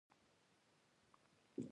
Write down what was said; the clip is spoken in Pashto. توپک بیګناه کسان وژلي.